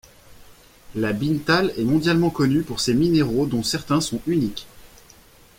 La Binntal est mondialement connue pour ses minéraux dont certains sont uniques.